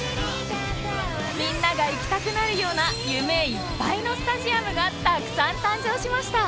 みんなが行きたくなるような夢いっぱいのスタジアムがたくさん誕生しました！